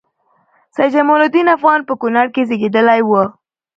سيدجمال الدين افغان په کونړ کې زیږیدلی وه